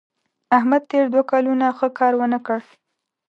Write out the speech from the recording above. احمد تېر دوه کلونه ښه کار ونه کړ.